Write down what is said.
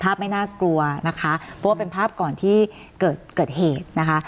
ไม่น่ากลัวนะคะเพราะว่าเป็นภาพก่อนที่เกิดเหตุนะคะ